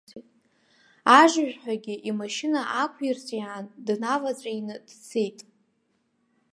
Ажыжәҳәагьы имашьына аақәирҵәиаан, днаваҵәины дцеит.